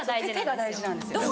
手が大事なんですよ。